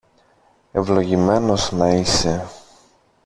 Ευλογημένος να είσαι!